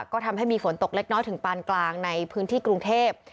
ก็ทำให้มีฝนตกเล็กน้อยถึงปานกลางในพื้นที่กรุงเทพ